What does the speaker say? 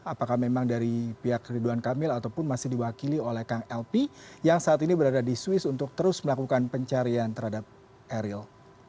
apakah memang dari pihak ridwan kamil ataupun masih diwakili oleh kang lp yang saat ini berada di swiss untuk terus melakukan pencarian terhadap eril